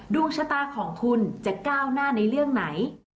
ดวงชะตาของคุณจะก้าวหน้าในเรื่องไหน